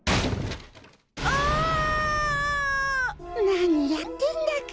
なにやってんだか。